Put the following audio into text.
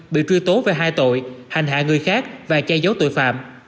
bị truy tố về hai tội hành hạ người khác và che giấu tội phạm